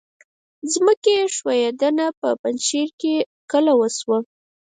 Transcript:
ځمکې ښویدنه په پنجشیر کې کله وشوه؟